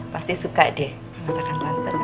pasti suka deh masakan tante